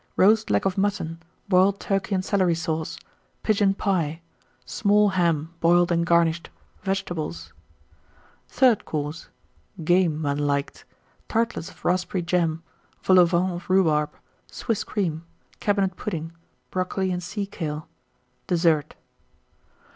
Roast Leg of Mutton. Boiled Turkey and Celery Sauce. Pigeon Pie. Small Ham, boiled and garnished. Vegetables. THIRD COURSE. Game, when liked. Tartlets of Raspberry Jam. Vol au Vent of Rhubarb. Swiss Cream. Cabinet Pudding. Brocoli and Sea kale. DESSERT.